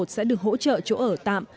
sẽ được hỗ trợ chỗ ở tạm